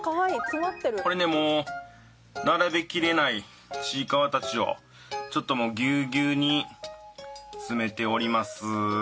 これねもう並びきれないちいかわたちをちょっともうギュウギュウに詰めております。